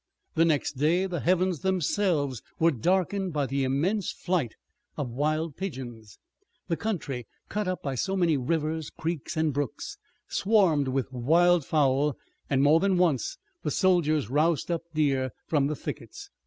The next day the heavens themselves were darkened by an immense flight of wild pigeons. The country cut up by so many rivers, creeks and brooks swarmed with wild fowl, and more than once the soldiers roused up deer from the thickets.